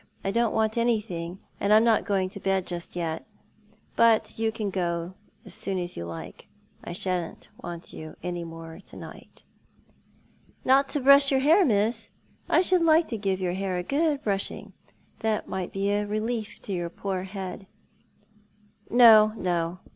I don't want anything, and I'm not going to bed just yet. But you cau go as soon as you like. I shan't want you any more to night." " Not to brush your hair, miss ? I should like to give your hair a good brushing. It might be a relief to your poor head." " No, no.